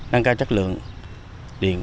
nâng cao chất lượng điện